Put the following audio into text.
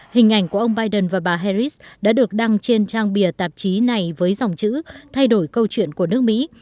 hình ảnh của ông biden và bà herris đã được đăng trên trang bìa tạp chí này với dòng chữ thay đổi câu chuyện của nước mỹ